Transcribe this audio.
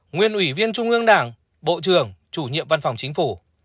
nguyên ủy viên trung ương đảng bộ trưởng chủ nhiệm văn phòng chính phủ